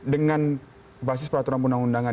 dengan basis peraturan undang undangan